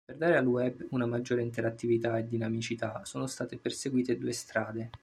Per dare al web una maggiore interattività e dinamicità sono state perseguite due strade.